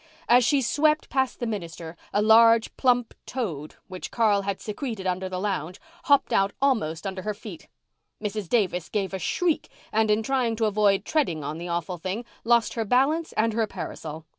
As she swept past the minister a large, plump toad, which Carl had secreted under the lounge, hopped out almost under her feet. Mrs. Davis gave a shriek and in trying to avoid treading on the awful thing, lost her balance and her parasol.